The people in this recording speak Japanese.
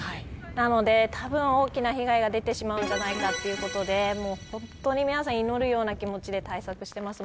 なので、たぶん大きな被害が出てしまうんじゃないかということで皆さん、祈るような気持ちで対策をしています。